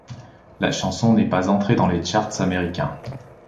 La chanson n'est pas entrée dans les charts américains.